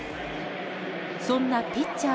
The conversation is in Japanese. そんなピッチャー